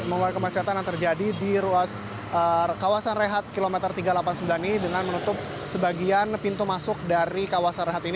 mengurai kemacetan yang terjadi di ruas kawasan rehat kilometer tiga ratus delapan puluh sembilan ini dengan menutup sebagian pintu masuk dari kawasan rehat ini